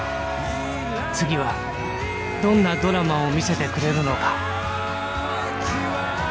次はどんなドラマを見せてくれるのか。